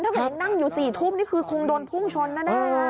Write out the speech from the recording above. ถ้าเกิดยังนั่งอยู่๔ทุ่มนี่คือคงโดนพุ่งชนแน่